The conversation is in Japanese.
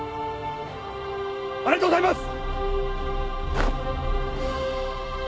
ありがとうございます！